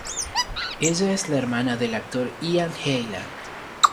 Ella es la hermana del actor Ian Hyland.